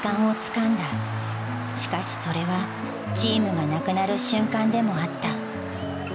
しかしそれはチームがなくなる瞬間でもあった。